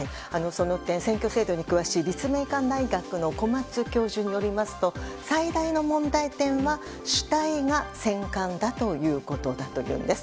選挙制度に詳しい立命館大学の小松教授によりますと最大の問題点は主体が選管だということだというんです。